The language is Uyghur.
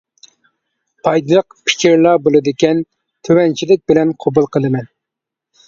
پايدىلىق پىكىرلا بولىدىكەن، تۆۋەنچىلىك بىلەن قوبۇل قىلىمەن.